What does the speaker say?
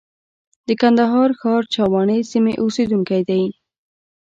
د کندهار ښار چاوڼۍ سیمې اوسېدونکی دی.